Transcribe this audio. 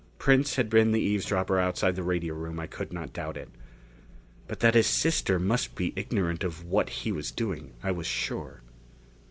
Prince had been the eavesdropper outside the radio room. I could not doubt it. But that his sister must be ignorant of what he was doing, I was sure.